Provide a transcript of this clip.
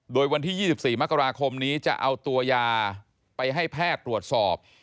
โดยวันที่๒๔มกราคมนี้จะเอาตัวยาไปให้แพทย์ตรวจสอบ